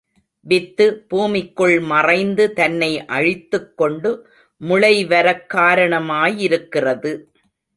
With பூமிக்குள் மறைந்து தன்னை அழித்துக்கொண்டு முளை வரக் காரணமாயிருக்கிறது.